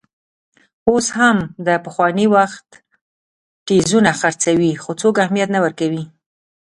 اوس هم د پخواني وخت ټیزونه خرڅوي، خو څوک اهمیت نه ورکوي.